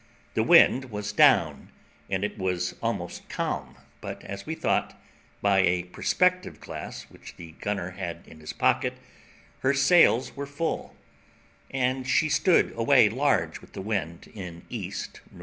The wind was down, and it was almost calm; but as we thought, by a perspective glass which the gunner had in his pocket, her sails were full, and she stood away large with the wind at E.N.E.